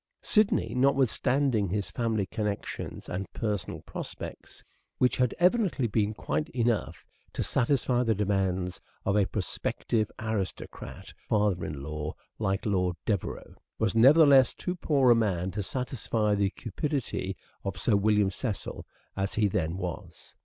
Sidney, notwithstanding his family connections and personal prospects, which had evidently been quite enough to satisfy the demands of a prospective aristocratic father in law like Lord Devereux, was nevertheless too poor a man to satisfy the cupidity of Sir William Cecil, as he then was.